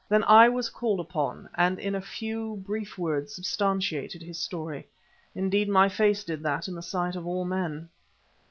Then I was called upon, and in a few brief words substantiated his story: indeed my face did that in the sight of all men.